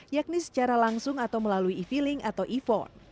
yakni secara langsung atau melalui e feeling atau e phone